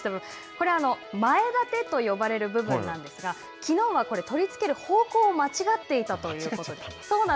これ、前立てと呼ばれる部分なんですがきのうは、これ取り付ける方向を間違っていたということで。